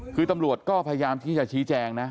คือตำรวจก็พยายามที่จะชี้แจงนะ